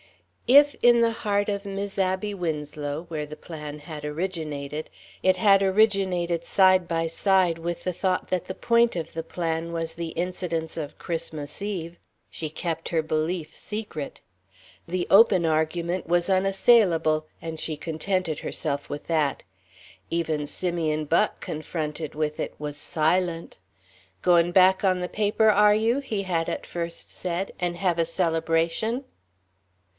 If, in the heart of Mis' Abby Winslow, where the plan had originated, it had originated side by side with the thought that the point of the plan was the incidence of Christmas Eve, she kept her belief secret. The open argument was unassailable, and she contented herself with that. Even Simeon Buck, confronted with it, was silent. "Goin' back on the paper, are you?" he had at first said, "and hev a celebration?"